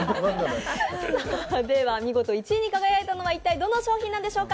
見事１位に輝いたのは一体どの商品でしょうか？